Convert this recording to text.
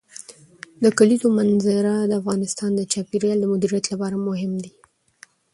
د کلیزو منظره د افغانستان د چاپیریال د مدیریت لپاره مهم دي.